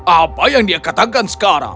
apa yang dia katakan sekarang